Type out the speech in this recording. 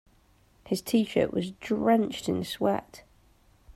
His t-shirt was drenched in sweat.